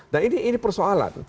dan ini persoalan